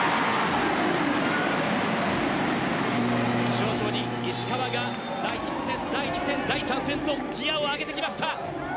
徐々に石川が第１戦、第２戦第３戦とギアを上げてきました。